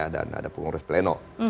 dan ada pengurus pleno